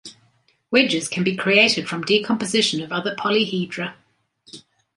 Wedges can be created from decomposition of other polyhedra.